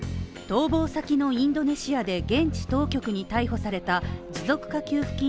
逃亡先のインドネシアで現地当局に逮捕された持続化給付金